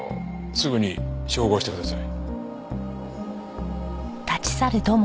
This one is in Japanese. すぐに照合してください。